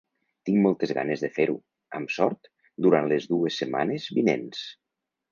Tinc moltes ganes de fer-ho, amb sort, durant les dues setmanes vinents.